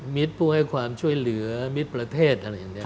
มิตรผู้ให้ความช่วยเหลือมิตรประเทศ